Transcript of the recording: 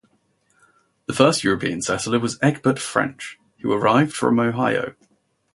The first European settler was Egbert French, who arrived from Ohio.